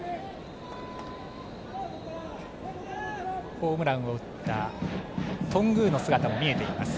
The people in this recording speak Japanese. ホームランを打った頓宮の姿も見えています。